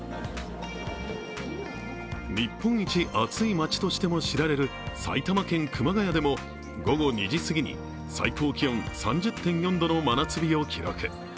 日本一暑い街としても知られる埼玉県・熊谷でも午後２時過ぎに最高気温３０．４度の真夏日を記録。